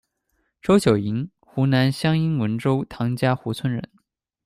周九银，湖南湘阴文洲唐家湖村人。